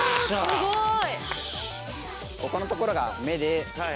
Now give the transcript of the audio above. すごい。